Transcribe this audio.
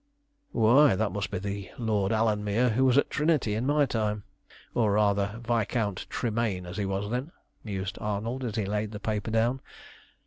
"Why, that must be the Lord Alanmere who was at Trinity in my time, or rather Viscount Tremayne, as he was then," mused Arnold, as he laid the paper down.